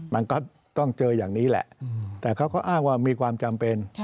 มันก็ต้องเจออย่างนี้แหละแต่เขาก็อ้างว่ามีความจำเป็น